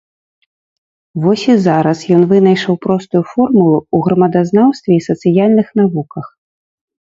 Вось і зараз ён вынайшаў простую формулу ў грамадазнаўстве і сацыяльных навуках.